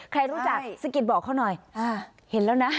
ใครรู้จักสะกิดบอกเขาหน่อยเห็นแล้วนะ